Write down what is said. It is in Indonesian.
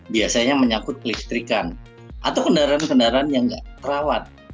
biasanya menyakut kelistrikan atau kendaraan kendaraan yang tidak terawat